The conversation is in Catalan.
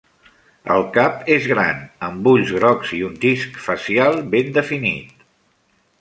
El cap és gran, amb ulls grocs i un disc facial ben definit.